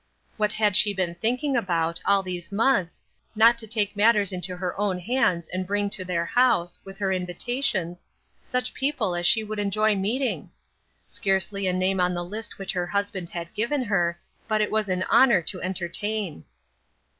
What had she been thinking about, all these months, not to take matters into her own hands SLIPPERY GROUND. 97 and bring to their house, with her invitations, such people as she would enjoy meeting? Scarcely a name on the list which her husband had given her, but it was an honor to entertain.